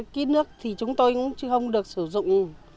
ký nước thì chúng tôi không được sử dụng